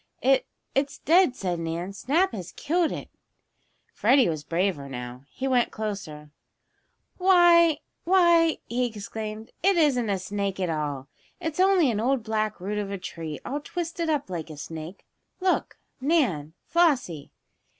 "It it's dead," said Nan. "Snap has killed it." Freddie was braver now. He went closer. "Why why!" he exclaimed. "It isn't a snake at all! It's only an old black root of a tree, all twisted up like a snake! Look, Nan Flossie!"